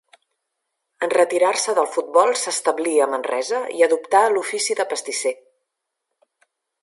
En retirar-se del futbol s'establí a Manresa i adoptà l'ofici de pastisser.